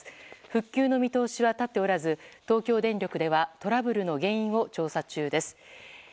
復旧の見通しは立っておらず東京電力ではトラブルの原因を調査中です。